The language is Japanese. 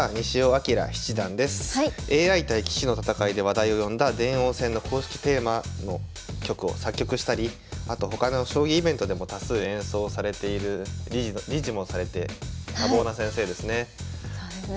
ＡＩ対棋士の戦いで話題を呼んだ電王戦の公式テーマの曲を作曲したりあと他の将棋イベントでも多数演奏されている理事もされて多忙な先生ですね。